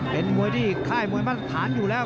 เป็นมวยที่ค่ายมวยมาตรฐานอยู่แล้ว